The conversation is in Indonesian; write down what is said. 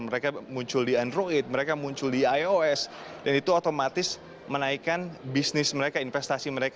mereka muncul di android mereka muncul di ios dan itu otomatis menaikkan bisnis mereka investasi mereka